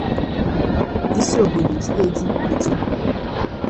isi obodo steeti Plateau.